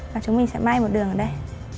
và chúng mình sẽ may một đường ở đây